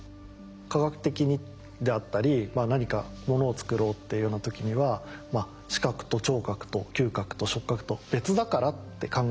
科学的にであったり何かモノを作ろうっていうような時には視覚と聴覚と嗅覚と触覚と別だからって考えますよね。